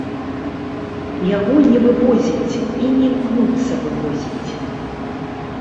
Яго не вывозяць, і не імкнуцца вывозіць.